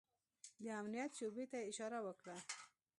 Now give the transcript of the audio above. د امنيت شعبې ته يې اشاره وکړه.